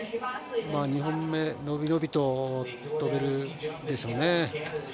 ２本目、伸び伸びと飛べるでしょうね。